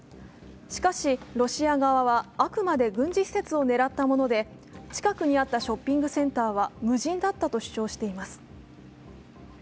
しかし、ロシア側はあくまで軍事施設を狙ったもので、近くにあったショッピングセンターは無人だったと主張しています。